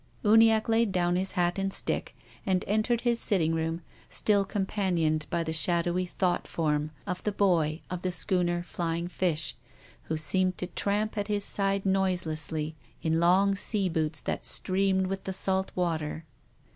Uniacke laid down his hat and stick and entered his sitting room, still companioned by the shadowy thought form of the boy of the schooner" Flying Fish," who seemed to tramp at his side noiselessly, in long sea boots that streamed with the salt water.